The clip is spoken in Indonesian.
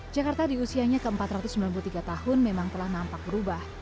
jakarta di usianya ke empat ratus sembilan puluh tiga tahun memang telah nampak berubah